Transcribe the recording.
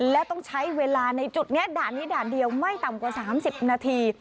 และต้องใช้เวลาในจุดนี้ด่านนี้ด่านเดียวไม่ต่ำกว่า๓๐นาที